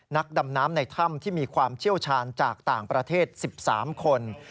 นักดำน้ำในถ้ำที่มีความเชี่ยวชาญจากต่างประเทศ๑๓คน